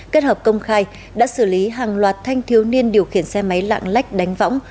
kết hợp công khai đã xử lý hàng loạt thanh thiếu niên điều khiển xe máy lạng lách đánh võng